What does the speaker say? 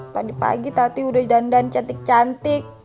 pagi pagi tadi udah jandan cantik cantik